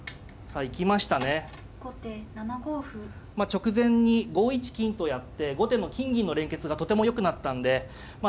直前に５一金とやって後手の金銀の連結がとてもよくなったんでま